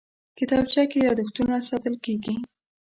کتابچه کې یادښتونه ساتل کېږي